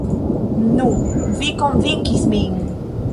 Nu, vi konvinkis min.